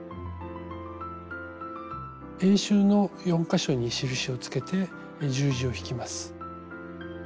円周の４か所に印をつけて十字を引きます。